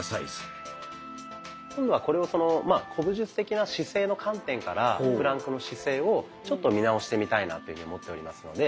今度はこれを古武術的な姿勢の観点からプランクの姿勢をちょっと見直してみたいなと思っておりますので。